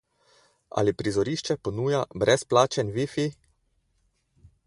Ali prizorišče ponuja brezplačen Wi-Fi?